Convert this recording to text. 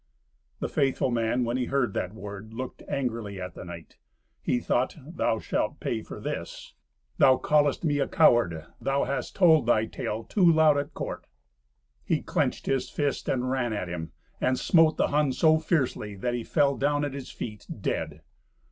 The faithful man, when he heard that word, looked angrily at the knight. He thought, "Thou shalt pay for this. Thou callest me a coward. Thou hast told thy tale too loud at court." He clenched his fist, and ran at him, and smote the Hun so fiercely that he fell down at his feet, dead.